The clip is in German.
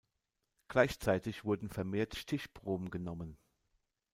Gleichzeitig wurden vermehrt Stichproben genommen.